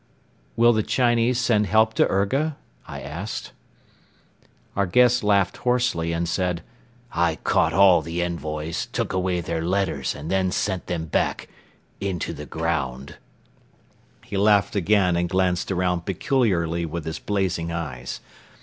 "Will the Chinese send help to Urga?" I asked. Our guest laughed hoarsely and said: "I caught all the envoys, took away their letters and then sent them back ... into the ground." He laughed again and glanced around peculiarly with his blazing eyes.